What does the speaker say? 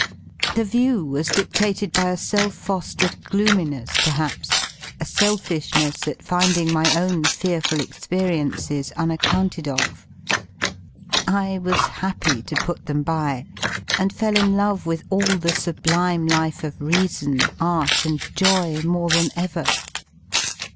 The view was diftated by a self fo^ered ^ gloominess perhaps, a selfishness at finding my own fearful experiences unaccounted of. I was happy to put them by, and fell in love with all the sublime life of Reason, Art, and Joy more than ever.